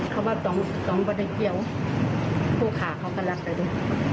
เขาว่าต้องบริเวณผู้ขาเขาก็ลักษณะดู